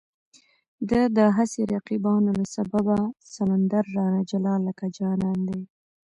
د دا هسې رقیبانو له سببه، سمندر رانه جلا لکه جانان دی